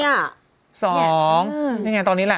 นี่ไงตอนนี้แหละ